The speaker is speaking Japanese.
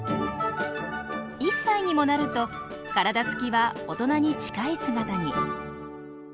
１歳にもなると体つきは大人に近い姿に。